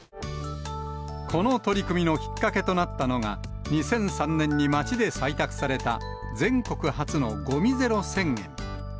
この取り組みのきっかけとなったのが、２００３年に町で採択された全国初のごみゼロ戦言。